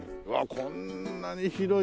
こんなに広い。